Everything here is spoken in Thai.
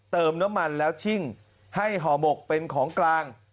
เติมน้ำมันแล้วชิ่งให้ห่อหมกเป็นของกลาง